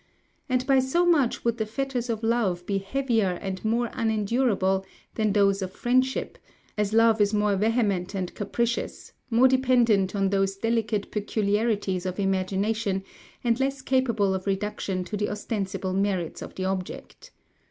And by so much would the fetters of love be heavier and more unendurable than those of friendship, as love is more vehement and capricious, more dependent on those delicate peculiarities of imagination, and less capable of reduction to the ostensible merits of the object....